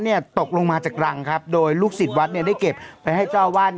เนี่ยตกลงมาจากกลางครับโดยลูกสิทธิ์วัดไม่ได้เก็บไปให้เจ้า